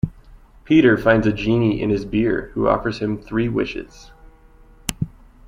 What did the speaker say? Peter finds a genie in his beer who offers him three wishes.